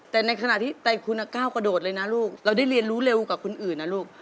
แต่ในขณะที่ไตคุณก้าวกระโดดเลยนะลูกเราได้เรียนรู้เร็วกว่าคนอื่นนะลูก